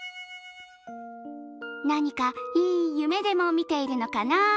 何かいい夢でも見ているのかな？